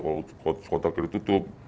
kalau kunci kontak ditutup